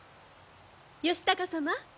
義高様。